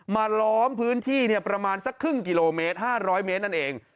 ล้อมพื้นที่ประมาณสักครึ่งกิโลเมตร๕๐๐เมตรนั่นเอง